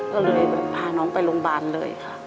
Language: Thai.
ก็เลยแบบพาน้องไปโรงพยาบาลเลยค่ะ